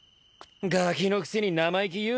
ガキのくせに生意気言うなって。